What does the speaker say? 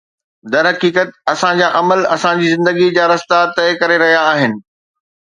درحقيقت، اسان جا عمل اسان جي زندگي جا رستا طئي ڪري رهيا آهن